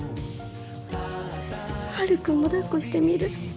はるくんもだっこしてみる？